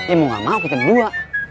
eh mau gak mau kita dua